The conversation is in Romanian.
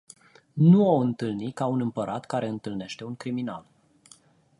Nu o intalni ca un Imparat care intalneste un criminal.